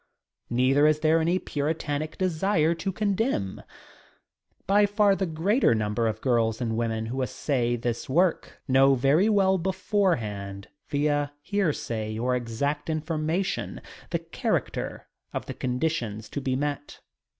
Neither is there any puritanic desire to condemn. By far the greater number of girls and women who essay this work know very well beforehand via hearsay or exact information the character of the conditions to be met.